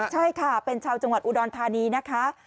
ใช่ค่ะเป็นชาวจังหวัดอุดรธานีนะคะ